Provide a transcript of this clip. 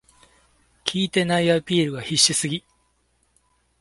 効いてないアピールが必死すぎ